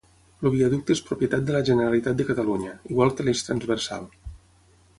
El viaducte és propietat de la Generalitat de Catalunya, igual que l'eix Transversal.